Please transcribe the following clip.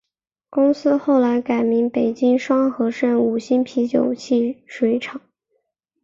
公司后来改名北京双合盛五星啤酒汽水厂。